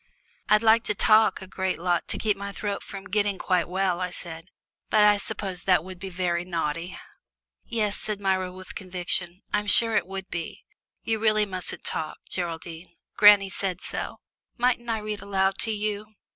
"I'd like to talk a great lot to keep my throat from getting quite well," I said, "but I suppose that would be very naughty." "Yes," said Myra with conviction, "I'm sure it would be. You really mustn't talk, Geraldine; granny said so. Mayn't I read aloud to you?